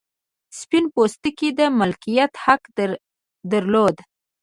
سپین پوستو د مالکیت حق درلود.